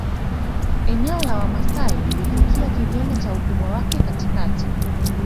Eneo la Wamasai lilifikia kilele cha ukubwa wake katikati